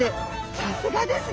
さすがですね。